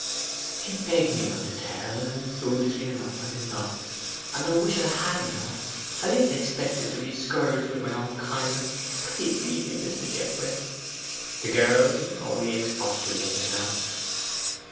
'He begged me not to tell, and foolishly enough I did not. And I wish I had now. I little expected to be scourged with my own kindness. Pray leave me, Mrs. Jethway.' The girl only expostulated now.